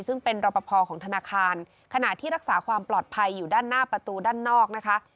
ซึ่งเป็นรอปภของธนาคารขณะที่รักษาความปลอดภัยอยู่ด้านหน้าประตูด้านนอกนะคะ